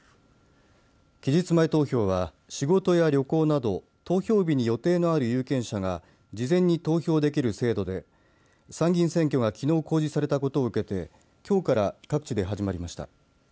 期日前投票は仕事や旅行など投票日に予定のある有権者が事前に投票できる制度で参議院選挙がきのう公示されたことを受けてきょうから各地で始まりました。